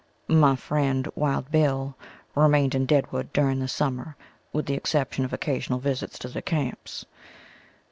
My friend, Wild Bill, remained in Deadwood during the summer with the exception of occasional visits to the camps.